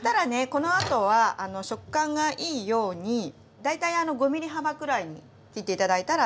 このあとは食感がいいように大体あの５ｍｍ幅くらいに切って頂いたら大丈夫です。